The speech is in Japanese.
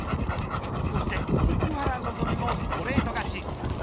そして奥原希望もストレート勝ち。